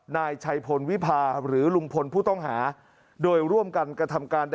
นายชัยพลวิพาหรือลุงพลผู้ต้องหาโดยร่วมกันกระทำการ